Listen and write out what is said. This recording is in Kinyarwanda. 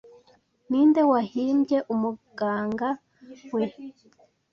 Ninde wahimbye umuganga we